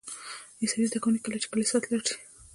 عیسوي زده کوونکي کله چې کلیسا ته لاړ شي.